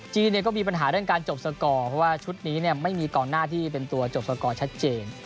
ก็มีปัญหาเรื่องการจบสกอร์เพราะว่าชุดนี้ไม่มีกองหน้าที่เป็นตัวจบสกอร์ชัดเจน